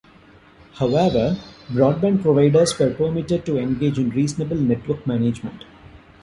However, broadband providers were permitted to engage in reasonable network management.